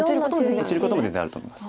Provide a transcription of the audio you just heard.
落ちることも全然あると思います。